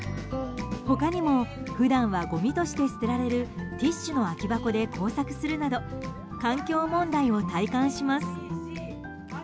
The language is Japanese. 他にも普段はごみとして捨てられるティッシュの空き箱で工作するなど環境問題を体感します。